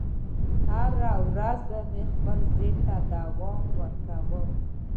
هره ورځ به مې خپل ضد ته دوام ورکاوه